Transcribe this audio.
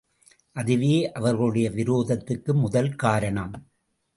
அதுவே அவர்களுடைய விரோதத்துக்கு முதல் காரணம்.